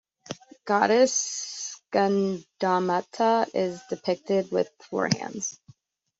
Goddess Skandamata is depicted with four hands.